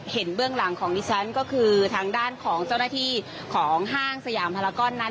เบื้องหลังของดิฉันก็คือทางด้านของเจ้าหน้าที่ของห้างสยามพลากรนั้น